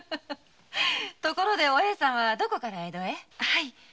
ところでお栄さんはどこから江戸へ？